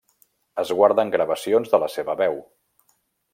Es guarden gravacions de la seva veu.